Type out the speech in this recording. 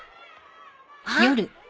あっ！